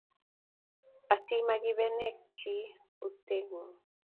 Asi magibenek chi, Utweng’ung’